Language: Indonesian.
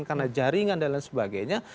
karena jaringan dan lain sebagainya